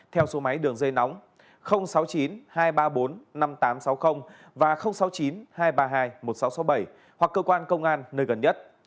theo số máy đường dây nóng sáu mươi chín hai trăm ba mươi bốn năm nghìn tám trăm sáu mươi và sáu mươi chín hai trăm ba mươi hai một nghìn sáu trăm sáu mươi bảy hoặc cơ quan công an nơi gần nhất